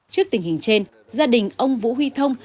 trước tình hình trên gia đình ông vũ huy thông